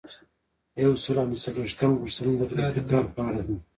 یو سل او نهه څلویښتمه پوښتنه د ګروپي کار په اړه ده.